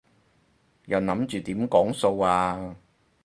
又諗住點講數啊？